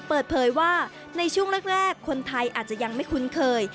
เปิดเผยว่าในช่วงแรกคนไทยอาจจะยังไม่คุ้นเคย